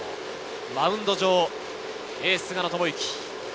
マウンド上はエースの菅野智之。